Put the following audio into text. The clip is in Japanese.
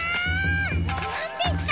なんですか？